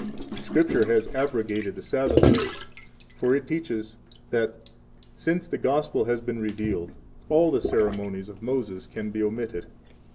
Scripture has abrogated the Sabbath day; for it teaches that, since the Gospel has been revealed, all the ceremonies of Moses can be omitted.